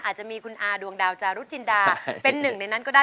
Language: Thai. อาจจะมีคุณอาดวงดาวจารุจินดาเป็นหนึ่งในนั้นก็ได้